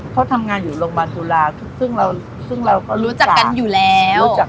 เขาทำงานอยู่โรงพยาบาลจุฬาซึ่งเราซึ่งเราก็รู้จักกันอยู่แล้ว